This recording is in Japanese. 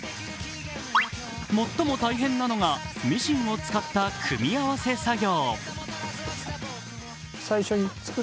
最も大変なのがミシンを使った組み合わせ作業。